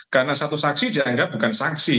karena satu saksi dianggap bukan saksi